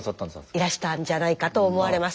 いらしたんじゃないかと思われます。